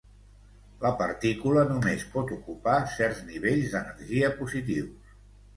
La partícula només pot ocupar certs nivells d'energia positius.